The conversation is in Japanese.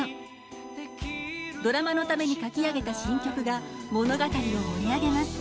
ドラマのために書き上げた新曲が物語を盛り上げます。